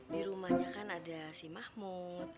di rumahnya kan ada si mahmud